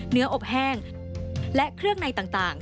อบแห้งและเครื่องในต่าง